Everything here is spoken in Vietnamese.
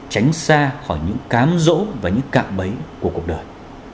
tránh xa khỏi những cám rỗ và những cạm bấy của cuộc đời